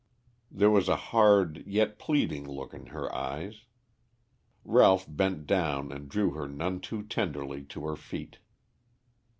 There was a hard yet pleading look in her eyes. Ralph bent down and drew her none too tenderly to her feet.